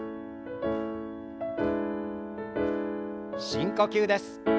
深呼吸です。